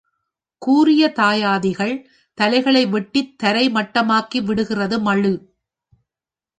கூறிய தாயாதிகள் தலைகளை வெட்டித் தரை மட்டமாக்கி விடுகிறது மழு.